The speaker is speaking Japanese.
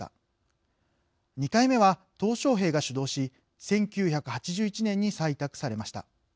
２回目は小平が主導し１９８１年に採択されました。